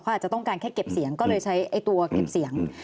อาจจะต้องการแค่เก็บเสียงก็เลยใช้ตัวเก็บเสียง